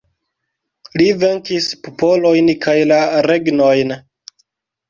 Li venkis popolojn kaj regnojn.